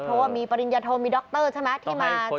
เพราะว่ามีปริญญาโทมีดรใช่ไหมที่มา